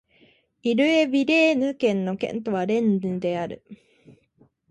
イル＝エ＝ヴィレーヌ県の県都はレンヌである